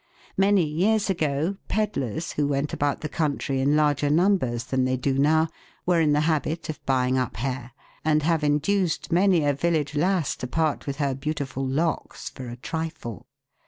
Many years ago pedlars, who went about the country in larger numbers than they do now, were in the habit of buying up hair, and have induced many a village lass to part with her beautiful locks for a trifle.